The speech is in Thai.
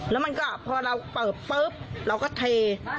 แล้วมันก็พอเราเปิดปุ๊บเราก็เท